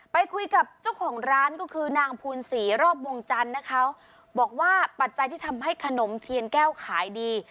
ไปคุยกับเจ้าของร้านก็คือนางภูนศรีรอบวงจันทร์นะคะบอกว่าปัจจัยที่ทำให้ขนมเทียนแก้วขายดี